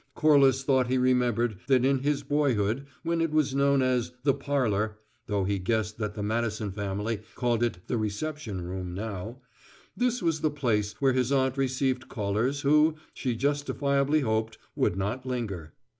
Corliss thought he remembered that in his boyhood, when it was known as "the parlour" (though he guessed that the Madison family called it "the reception room," now) this was the place where his aunt received callers who, she justifiably hoped, would not linger.